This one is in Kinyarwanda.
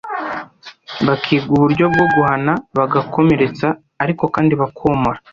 bakiga uburyo bwo guhana bagakomeretsa ariko kandi bakomora